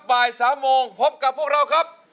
บ่าย๓โมงพบกับพวกเราครับ